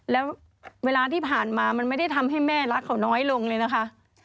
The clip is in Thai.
แล้วเวลาที่ผ่านมามันไม่ได้ทำให้แม่รักเขาน้อยลงเลยนะคะ